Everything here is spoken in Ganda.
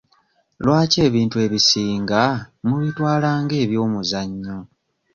Lwaki ebintu ebisinga mubitwala nga eby'omuzannyo?